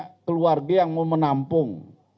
keluarga ini punya keluarga yang mau menampung